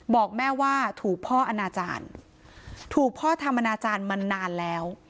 บอกแม่ว่าถูกพ่ออนาจารย์ถูกพ่อทำอนาจารย์มานานแล้ว